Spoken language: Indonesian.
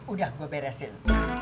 udah gua beresin